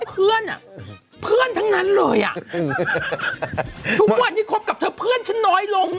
เพื่อนอ่ะเพื่อนทั้งนั้นเลยอ่ะทุกวันนี้คบกับเธอเพื่อนฉันน้อยลง